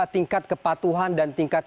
tingkat kepatuhan dan tingkat